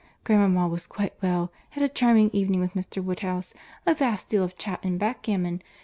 Grandmama was quite well, had a charming evening with Mr. Woodhouse, a vast deal of chat, and backgammon.